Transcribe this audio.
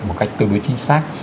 một cách tương đối chính xác